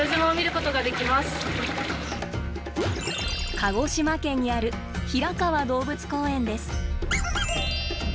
鹿児島県にある平川動物公園です。